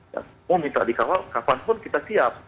mau minta dikawal kapanpun kita siap